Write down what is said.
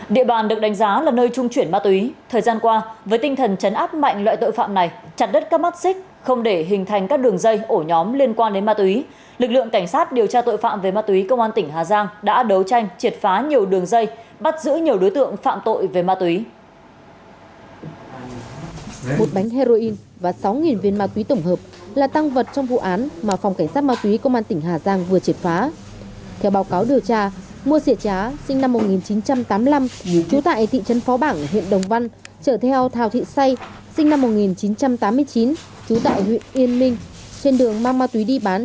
địa bàn được đánh giá là nơi trung chuyển ma túy thời gian qua với tinh thần chấn áp mạnh loại tội phạm này chặt đất các mắt xích không để hình thành các đường dây ổ nhóm liên quan đến ma túy lực lượng cảnh sát điều tra tội phạm về ma túy công an tỉnh hà giang đã đấu tranh triệt phá nhiều đường dây bắt giữ nhiều đối tượng phạm tội phạm